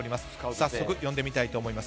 早速呼んでみたいと思います。